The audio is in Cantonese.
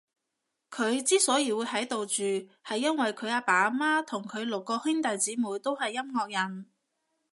佢之所以會喺度住，係因為佢阿爸阿媽同佢個六兄弟姐妹都係音樂人